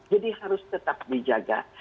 jadi harus tetap dijaga